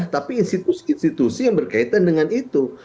tapi institusi institusi yang berkaitan dengan itu